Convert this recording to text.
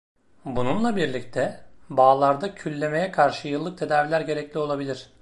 Bununla birlikte, bağlarda küllemeye karşı yıllık tedaviler gerekli olabilir.